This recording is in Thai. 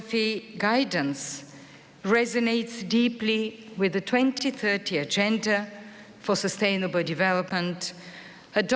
ที่สร้างกาลสังคมที่แบบลอด